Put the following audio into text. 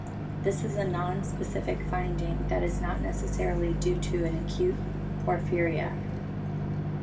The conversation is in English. This is a non-specific finding that is not necessarily due to an acute porphyria.